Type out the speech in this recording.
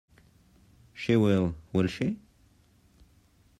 She will, will she?